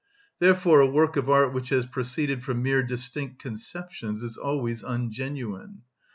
Therefore a work of art which has proceeded from mere distinct conceptions is always ungenuine.